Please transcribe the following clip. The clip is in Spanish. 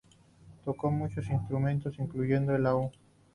Tocó muchos instrumentos, incluyendo el laúd.